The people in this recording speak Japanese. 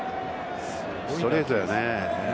ストレートやね。